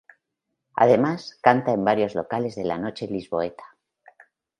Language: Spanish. Además, canta en varios locales de la noche lisboeta.